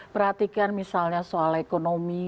perhatikan misalnya soal ekonomi